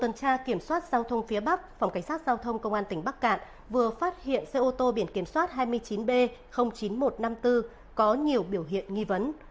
tuần tra kiểm soát giao thông phía bắc phòng cảnh sát giao thông công an tỉnh bắc cạn vừa phát hiện xe ô tô biển kiểm soát hai mươi chín b chín nghìn một trăm năm mươi bốn có nhiều biểu hiện nghi vấn